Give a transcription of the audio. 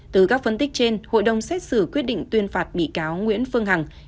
từ các phân tích trên hội đồng xét xử quyết định tuyên phạt bị cáo nguyễn phương hằng